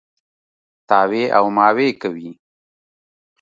تاوې او ماوې کوي.